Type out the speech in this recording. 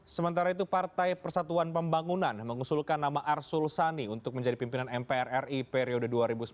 sementara itu partai persatuan pembangunan mengusulkan nama arsul sani untuk menjadi pimpinan mpr ri periode dua ribu sembilan belas dua ribu dua